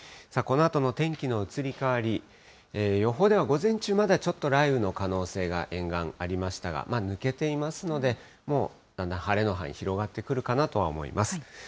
このあとの天気の移り変わり、予報では、午前中、まだちょっと雷雨の可能性が、沿岸、ありましたが、抜けていますので、もうだんだん晴れの範囲、広がってくるかなとは思います。